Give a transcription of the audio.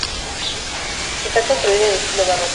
Está construida en estilo barroco.